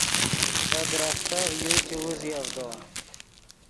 ڤے درختف یو چے اوزیڤدو